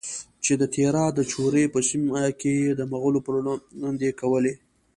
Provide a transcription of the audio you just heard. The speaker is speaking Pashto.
چې د تیرا د چورې په سیمه کې یې د مغولو پروړاندې کولې؛